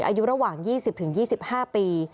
อายุระหว่าง๒๐๒๕ปี